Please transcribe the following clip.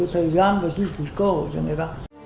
thời gian và chi phí cơ hội cho người ta